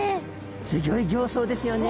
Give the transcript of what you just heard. すギョい形相ですよね。